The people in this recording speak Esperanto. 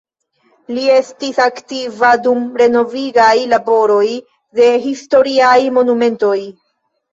Li estis aktiva dum renovigaj laboroj de historiaj monumentoj.